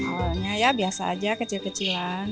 awalnya ya biasa aja kecil kecilan